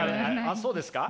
あっそうですか？